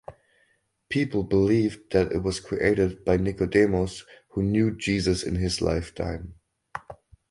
People believe that it was created by Nicodemus who knew Jesus in his lifetime.